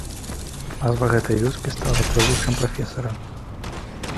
Назва гэтай вёскі стала прозвішчам прафесара.